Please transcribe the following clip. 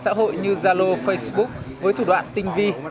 xã hội như zalo facebook với thủ đoạn tinh vi